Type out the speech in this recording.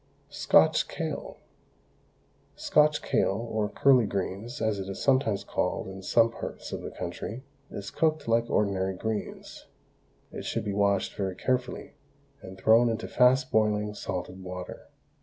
SCOTCH KALE. Scotch kale, or curly greens, as it is sometimes called in some parts of the country, is cooked like ordinary greens. It should be washed very carefully, and thrown into fast boiling salted water.